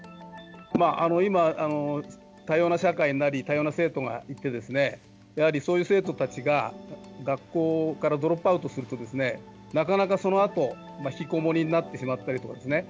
今、多様な社会になり多様な生徒がいてやはりそういう生徒たちが学校からドロップアウトするとなかなかそのあとひきこもりになってしまったりとかですね